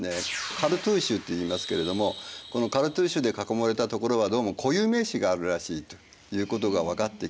カルトゥーシュっていいますけれどもこのカルトゥーシュで囲まれたところはどうも固有名詞があるらしいということが分かってきて